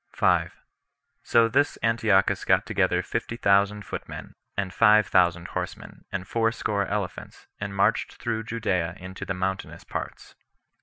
5. So this Antiochus got together fifty thousand footmen, and five thousand horsemen, and fourscore elephants, and marched through Judea into the mountainous parts.